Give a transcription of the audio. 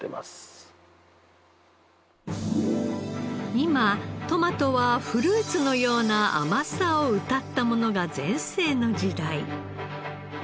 今トマトはフルーツのような甘さをうたったものが全盛の時代。